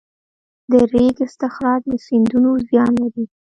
د ریګ استخراج له سیندونو زیان لري؟